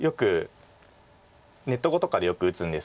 ネット碁とかでよく打つんですけど。